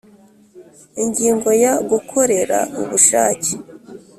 Ingingo ya gukorera ubushake